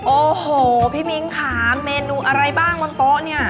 โอ้โหพี่มิ้งค่ะเมนูอะไรบ้างบนโต๊ะเนี่ย